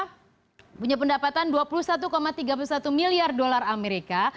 kita punya pendapatan dua puluh satu tiga puluh satu miliar dolar amerika